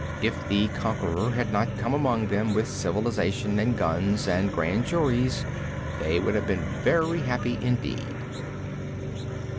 If the conqueror had not come among them with civilization and guns and grand juries they would have been very happy, indeed.